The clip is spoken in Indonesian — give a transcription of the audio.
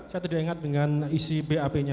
saya tidak ingat dengan isi bapnya